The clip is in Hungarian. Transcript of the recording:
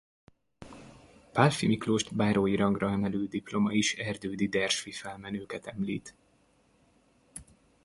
Pálffy Miklóst bárói rangra emelő diploma is Erdődy-Dersffy felmenőket említ.